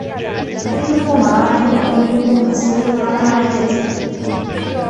كلكم راع وكلكم مسؤول عن رعيته